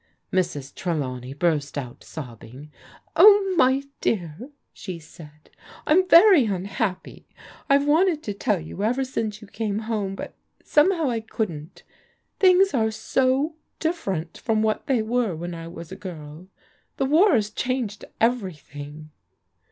'' Mrs. Trelawney burst out sobbing. " Oh, my dear, she said, " I'm very unhappy. I've wanted to tell yott ever since you came home, but somehow I couldn't Things are so different from what they were when I was a girl. The war has changed everything."